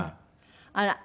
あら。